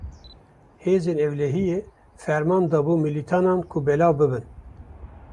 Hêzên ewlehiyê, ferman dabû milîtanan ku belav bibin